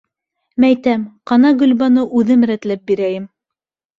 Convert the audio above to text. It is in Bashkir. - Мәйтәм, - ҡана, Гөлбаныу, үҙем рәтләп бирәйем.